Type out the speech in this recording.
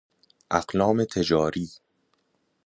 اقلام تجاری